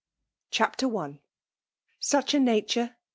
CHAPTER I. Such a nature.